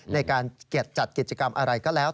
ในการจัดกิจกรรมอะไรก็แล้ว